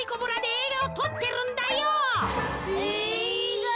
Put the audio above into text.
えいが！？